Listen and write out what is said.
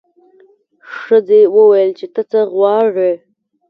ښځې وویل چې ته څه غواړې.